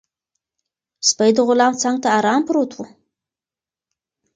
سپی د غلام څنګ ته ارام پروت و.